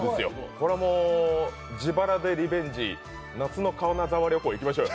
これは自腹でリベンジ、夏の金沢旅行、行きましょうよ。